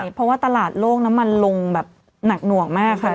เพราะว่าตลาดโลกน้ำมันลงแบบหนักหน่วงมากค่ะ